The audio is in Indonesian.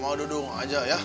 mamah duduk aja ya